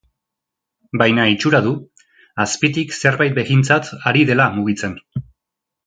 Baina itxura du, azpitik zerbait behintzat ari dela mugitzen.